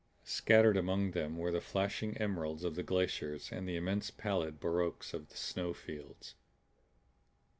Scattered among them were the flashing emeralds of the glaciers and the immense pallid baroques of the snow fields.